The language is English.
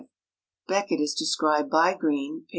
Becket is described by Green, p.